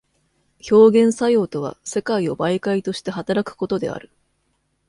表現作用とは世界を媒介として働くことである。